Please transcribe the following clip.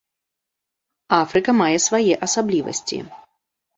Афрыка мае свае асаблівасці.